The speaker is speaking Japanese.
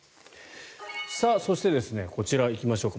そして、こちら行きましょうか。